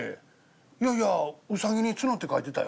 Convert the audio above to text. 「いやいや『うさぎにつの』って書いてたよ」。